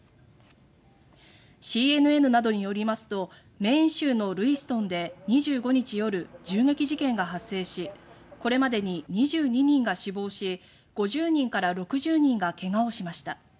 ＣＮＮなどによりますとメーン州のルイストンで２５日夜、銃撃事件が発生しこれまでに２２人が死亡し５０人から６０人がけがをしました。